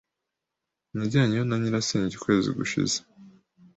Najyanyeyo na nyirasenge ukwezi gushize.